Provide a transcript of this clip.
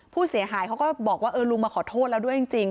ผู้เสียหายเขาก็บอกว่าเออลุงมาขอโทษแล้วด้วยจริง